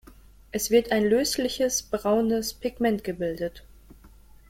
Es wird ein lösliches braunes Pigment gebildet.